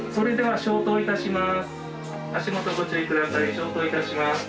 消灯いたします。